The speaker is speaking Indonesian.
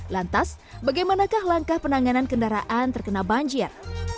lantas bagaimanakah langkah penanganan kendaraan terkena banjir